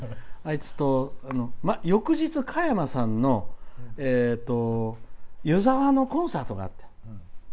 あいつと、翌日、加山さんの湯沢のコンサートがあった。